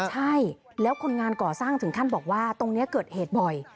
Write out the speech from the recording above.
ใช่แล้วคนงานก่อสร้างถึงขั้นบอกว่าตรงนี้เกิดเหตุบ่อย